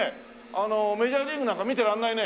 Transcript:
あのメジャーリーグなんか見てられないね。